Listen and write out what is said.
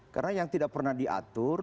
karena yang tidak pernah diatur